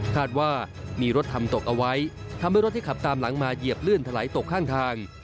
คาดว่ามีรถทำตกเอาไว้ทำให้รถที่ขับตามหลังมาเหยียบลื่นถลายตกข้างทาง